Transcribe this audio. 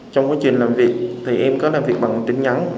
trong quá trình làm việc thì em có làm việc bằng tin nhắn